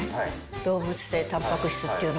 動物性たんぱく質っていうの？